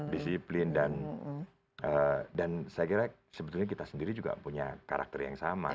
disiplin dan saya kira sebetulnya kita sendiri juga punya karakter yang sama